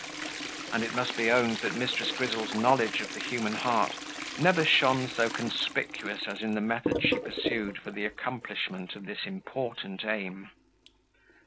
And it must be owned that Mrs. Grizzle's knowledge of the human heart never shone so conspicuous as in the methods she pursued for the accomplishment of this important aim.